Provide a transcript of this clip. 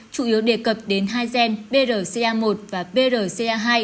chủ yếu đề cập đến hai gen brca một và brca hai